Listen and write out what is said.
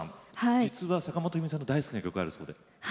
実は坂本冬美さんの大好きな曲があるそうで。